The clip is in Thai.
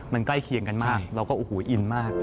มันใกล้เคียงกันมากเราก็โอ้โหอินมาก